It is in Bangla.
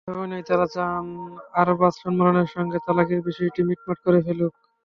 এভাবে নয়, তাঁরা চান আরবাজ সম্মানের সঙ্গে তালাকের বিষয়টি মিটমাট করে ফেলুক।